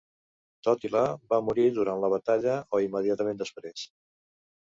Tòtila va morir durant la batalla o immediatament després.